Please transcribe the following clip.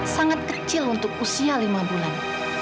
sangat kecil untuk usia lima bulan